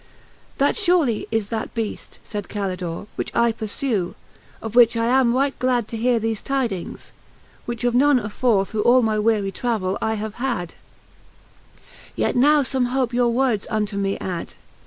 X. That furely is that Beast, faide Calidorey Which I purfue, of whome I am right glad To heare thefe tidings, which of none afore Through all my weary travell I have had: Yet now fome hope your words unto me add.